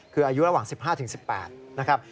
คืออายุระหว่าง๑๕๑๘นะครับ